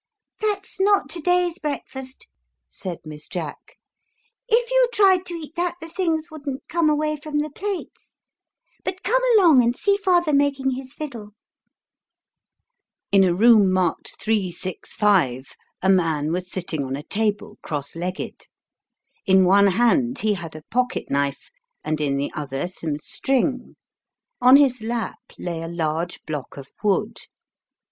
"That's not to day's breakfast," said Miss Jack ;" if you tried to eat that, the things wouldn't come away from the plates. But come along and see father making his fiddle." Jack's intentions are better than his fiddles. 59 In a room marked 365 a man was sitting on a table cross legged. In one hand he had a pocket knife, and in the other some string ; on his lap lay a large block of wood.